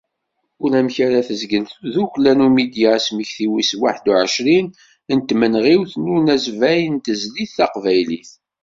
Ulamek ara tezgel tdukkla Numidya asmekti wis waḥed u εecrin n tmenɣiwt n unazbay n tezlit taqbaylit.